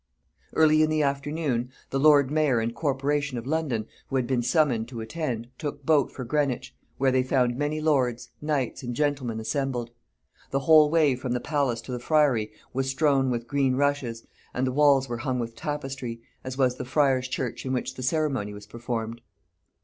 Early in the afternoon, the lord mayor and corporation of London, who had been summoned to attend, took boat for Greenwich, where they found many lords, knights, and gentlemen assembled. The whole way from the palace to the friery was strown with green rushes, and the walls were hung with tapestry, as was the Friers' church in which the ceremony was performed.